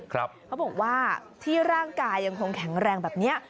เขาบอกว่าที่ร่างกายยังคงแข็งแรงแบบนี้